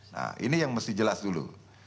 nah ini yang mesti jelas dulu